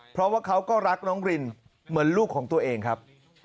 เพราะว่าเขาก็รักน้องรินเหมือนลูกของตัวเองครับ